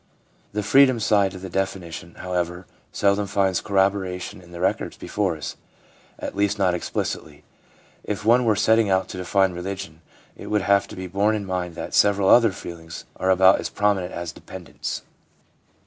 The freedom side of the definition, however, seldom finds corroboration in the records before us, at least not explicitly. If one were setting out to define religion, it would have to be borne in mind that several other feelings are about as prominent as dependence.